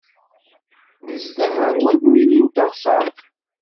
Nezdeɣ ar wanmili n teɣsert.